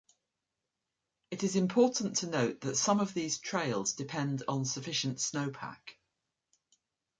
It is important to note that some of these trails depend on sufficient snowpack.